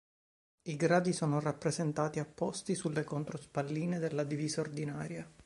I gradi sono rappresentati apposti sulle controspalline della divisa ordinaria.